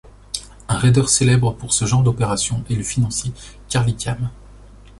Un raideur célèbre pour ce genre d'opération est le financier Carl Icahn.